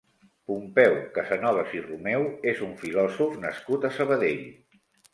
Pompeu Casanovas i Romeu és un filòsof nascut a Sabadell.